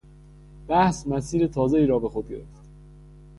بحث مسیر تازهای را به خود گرفت.